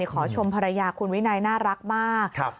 ขอชมภรรยาคุณวินัยน่ารักมาก